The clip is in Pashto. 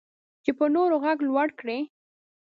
چې په نورو غږ لوړ کړي.